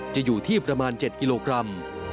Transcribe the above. อยู่ที่ประมาณ๗กิโลกรัม